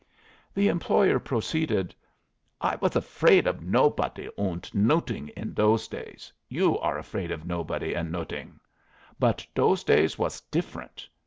The employer proceeded: "I was afraid of nobody und noding in those days. You are afraid of nobody and noding. But those days was different.